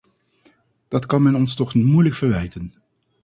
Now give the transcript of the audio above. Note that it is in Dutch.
Dat kan men ons toch moeilijk verwijten.